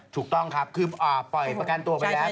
ถูกต้องครับคือปล่อยประกันตัวไปแล้ว